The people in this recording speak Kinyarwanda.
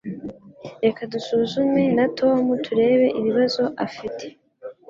Reka dusuzume na Tom turebe ibibazo afite